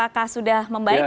pak kak sudah membaik